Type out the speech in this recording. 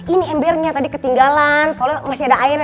ini embernya tadi ketinggalan soalnya masih ada air